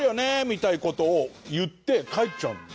みたいな事を言って帰っちゃうの。